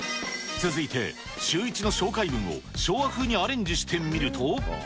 続いて、シューイチの紹介文を昭和風にアレンジしてみると。